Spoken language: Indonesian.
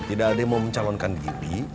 tidak ada yang mau mencalonkan diri